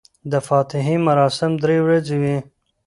د فاتحې مراسم درې ورځې وي.